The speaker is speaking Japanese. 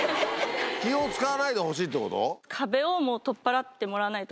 気を使わないでほしいってこと？